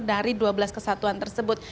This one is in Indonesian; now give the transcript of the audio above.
dari dua belas kesatuan tersebut